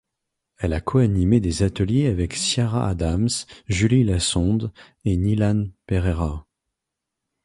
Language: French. Elle a co-animé des ateliers avec Ciara Adams, Julie Lassonde, et Nilan Perera.